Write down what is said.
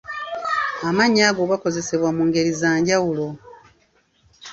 Amannya ago gakozesebwa mu ngeri za njawulo.